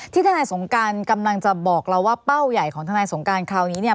ทนายสงการกำลังจะบอกเราว่าเป้าใหญ่ของทนายสงการคราวนี้เนี่ย